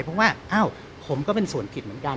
เพราะว่าอ้าวผมก็เป็นส่วนผิดเหมือนกัน